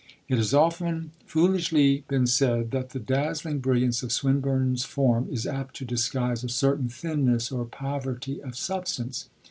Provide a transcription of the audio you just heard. It has often foolishly been said that the dazzling brilliance of Swinburne's form is apt to disguise a certain thinness or poverty of substance.